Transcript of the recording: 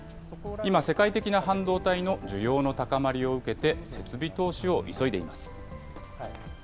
今、世界的な半導体の需要の高まりを受けて、設備投資を急いでいます。